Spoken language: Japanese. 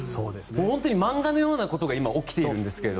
本当に漫画のようなことが今、起きているんですけど。